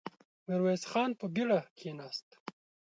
ميرويس خان په بېړه کېناست.